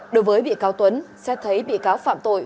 đối với bị cáo tuấn xét thấy bị cáo phạm tội